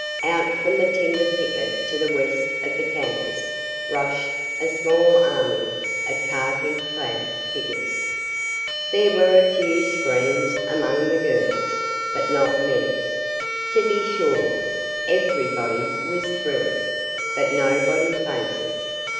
Out from the timber thicket to the west of the campus rushed a small army of khaki clad figures. There were a few screams among the girls, but not many. To be sure, everybody was thrilled, but nobody fainted.